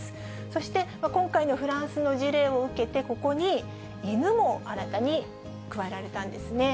そして、今回のフランスの事例を受けて、ここに犬も新たに加えられたんですね。